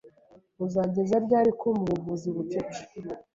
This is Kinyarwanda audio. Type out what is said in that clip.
Uzageza ryari kumpa ubuvuzi bucece?